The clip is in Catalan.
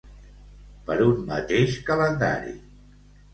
Per un mateix calendari.